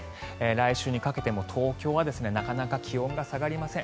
来週にかけても東京はなかなか気温が下がりません。